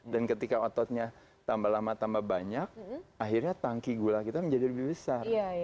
dan ketika ototnya tambah lama tambah banyak akhirnya tangki gula kita menjadi lebih besar